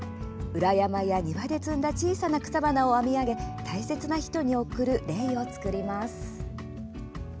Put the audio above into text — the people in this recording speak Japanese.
裏山や庭で摘んだ小さな草花を編み上げ大切な人に贈るレイを作ります。